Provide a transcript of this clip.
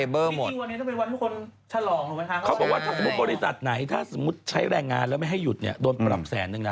บศนพบว่าบริษัทไหนใช้แรงงานแล้วไม่ให้หยุดโดนปร่ำแซนนึงนะ